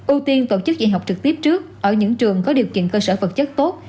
ưu tiên tổ chức dạy học trực tiếp trước ở những trường có điều kiện cơ sở vật chất tốt